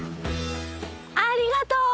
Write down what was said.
ありがとう！